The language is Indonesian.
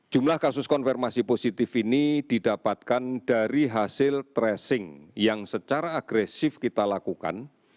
jumlah kasus konfirmasi positif ini didapatkan dari hasil tracing yang secara agresif kita lakukan